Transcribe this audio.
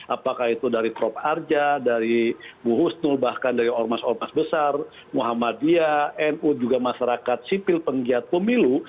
apakah itu dari prof arja dari bu husnul bahkan dari ormas ormas besar muhammadiyah nu juga masyarakat sipil penggiat pemilu